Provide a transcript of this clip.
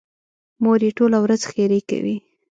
مور یې ټوله ورځ ښېرې کوي.